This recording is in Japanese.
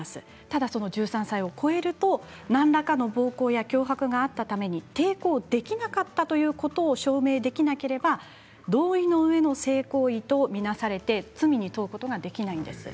ただ１３歳を超えると何らかの暴行や脅迫があったために抵抗できなかったということを証明できなければ同意の上の性行為と見なされて罪に問うことができないんです。